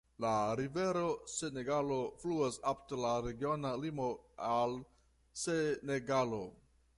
La Rivero Senegalo fluas apud la regiona limo al Senegalo.